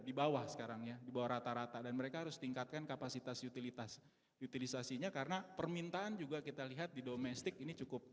di bawah sekarang ya di bawah rata rata dan mereka harus tingkatkan kapasitas utilitas utilisasinya karena permintaan juga kita lihat di domestik ini cukup